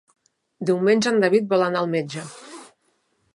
Diumenge en David vol anar al metge.